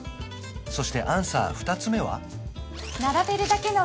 そしてアンサー２つ目は？